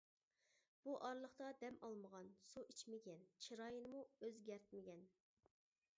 بۇ ئارىلىقتا دەم ئالمىغان، سۇ ئىچمىگەن، چىرايىنىمۇ ئۆزگەرتمىگەن.